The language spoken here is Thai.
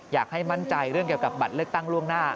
อยากให้มั่นใจเรื่องเกี่ยวกับบัตรเลือกตั้งล่วงหน้า